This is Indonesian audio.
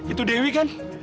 itu dewi kan